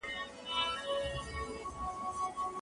د غوښي پخول ولي مهم دي؟